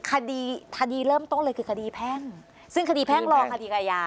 คดีคดีเริ่มต้นเลยคือคดีแพ่งซึ่งคดีแพ่งรอคดีอาญา